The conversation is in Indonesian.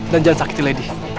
dan jangan sakiti lady